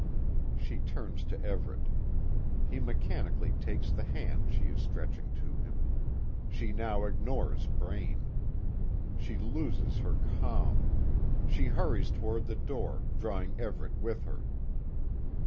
She turns to Everet. He mechanically takes the hand she is stretching to him. She now ignores Braine. She loses her calm. She hurries toward the door, drawing Everet with her.